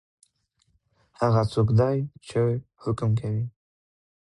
هغه څوک دی چی حکم کوي؟